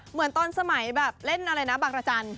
เหมือนตอนสมัยแบบเล่นอะไรนะบางรจันทร์